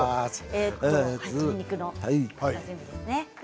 鶏肉の下準備ですね。